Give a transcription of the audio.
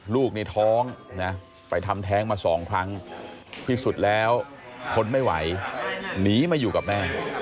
ลูกนี่ท้องนะไปทำแท้งมา๒ครั้งที่สุดแล้วทนไม่ไหวหนีมาอยู่กับแม่